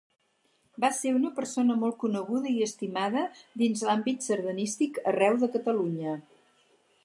Va ser una persona molt coneguda i estimada dins l'àmbit sardanístic arreu de Catalunya.